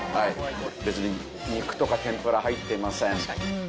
別に肉とか天ぷら入っていません。